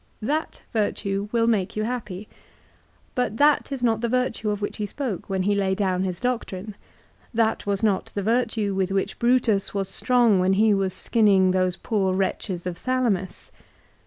That virtue will make you happy. But that is not the virtue of which he spoke when he laid down his doctrine. That was not the virtue with which Brutus was strong when he was skinning those poor wretches of Salamis.